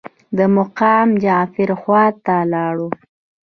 د مقام جعفر خواته لاړو.